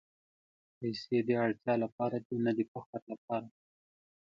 پېسې د اړتیا لپاره دي، نه د فخر لپاره.